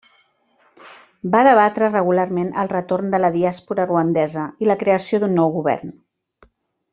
Va debatre regularment el retorn de la diàspora ruandesa i la creació d'un nou govern.